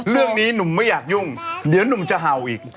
เรื่องนี้หนุ่มไม่อยากยุ่งเดี๋ยวหนุ่มจะเห่าอีก